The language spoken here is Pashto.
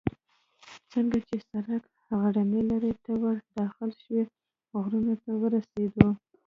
څنګه چې سړک غرنۍ لړۍ ته ور داخل شو، غرونو ته ورسېدو.